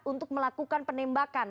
untuk melakukan penembakan